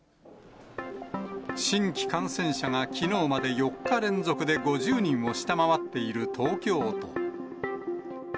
新規感染者がきのうまで４日連続で５０人を下回っている東京都。